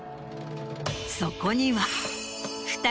そこには。